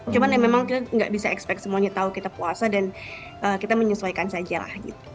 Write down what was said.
cuma memang kita nggak bisa expect semuanya tahu kita puasa dan kita menyesuaikan sajalah gitu